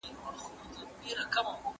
¬ چي زوړ سې، نر به دي بولم چي په جوړ سې.